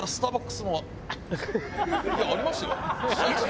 いやありますよ？